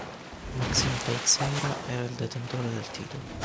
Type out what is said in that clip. Maxime Teixeira era il detentore del titolo.